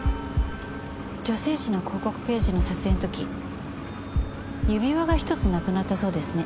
女性誌の広告ページの撮影の時指輪が１つなくなったそうですね？